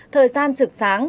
thời gian trực sáng